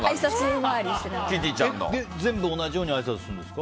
全部同じようにあいさつするんですか？